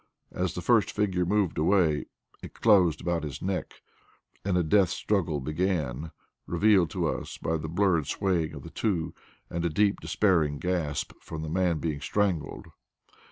As the first figure moved away, it closed about his neck and a death struggle began, revealed to us by the blurred swaying of the two and a deep, despairing gasp from the man being strangled.